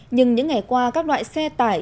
nhưng những ngày qua các loại xe tải